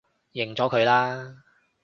認咗佢啦